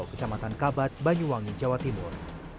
kecamatan kabat banyuwangi jawa timur